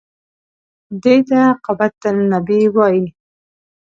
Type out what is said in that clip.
دې ته قبة النبي وایي.